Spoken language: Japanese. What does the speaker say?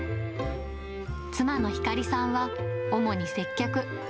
妻の光さんは、主に接客。